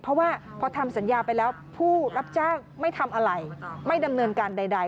เพราะว่าพอทำสัญญาไปแล้วผู้รับจ้างไม่ทำอะไรไม่ดำเนินการใด